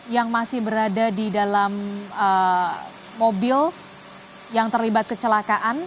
yang masih berada di dalam mobil yang terlibat kecelakaan